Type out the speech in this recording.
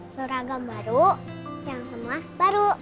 seragam baru yang semua baru